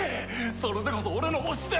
それでこそ俺の推しだ！